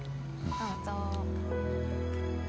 どうぞ。